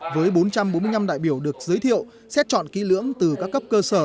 với bốn trăm bốn mươi năm đại biểu được giới thiệu xét chọn kỹ lưỡng từ các cấp cơ sở